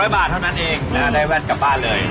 ๐บาทเท่านั้นเองได้แว่นกลับบ้านเลย